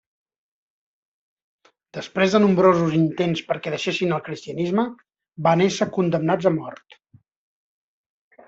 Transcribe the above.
Després de nombrosos intents perquè deixessin el cristianisme, van ésser condemnats a mort.